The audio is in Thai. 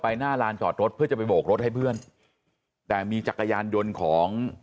หน้าลานจอดรถเพื่อจะไปโบกรถให้เพื่อนแต่มีจักรยานยนต์ของ